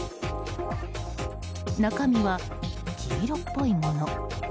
中身は黄色っぽいもの。